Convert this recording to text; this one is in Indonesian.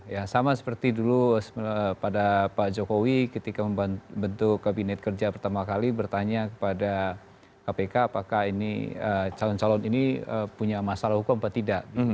ya sama seperti dulu pada pak jokowi ketika membentuk kabinet kerja pertama kali bertanya kepada kpk apakah ini calon calon ini punya masalah hukum atau tidak